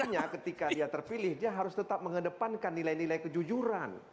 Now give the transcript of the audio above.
makanya ketika dia terpilih dia harus tetap mengedepankan nilai nilai kejujuran